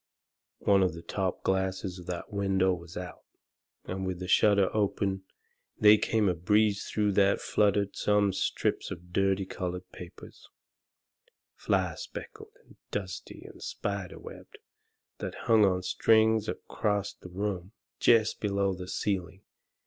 One of the top glasses of that window was out, and with the shutter open they come a breeze through that fluttered some strips of dirty coloured papers, fly specked and dusty and spider webbed, that hung on strings acrost the room, jest below the ceiling.